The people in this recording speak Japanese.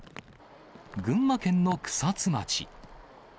群馬県の草津町。